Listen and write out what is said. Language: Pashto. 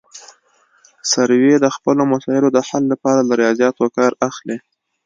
سروې د خپلو مسایلو د حل لپاره له ریاضیاتو کار اخلي